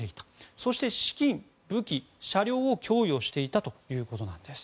そして資金、武器や車両を供与していたということです。